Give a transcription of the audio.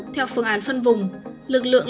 theo phương án phân vùng lực lượng